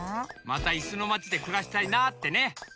またいすのまちでくらしたいなってね。